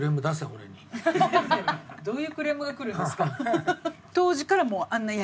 どういうクレームがくるんですか。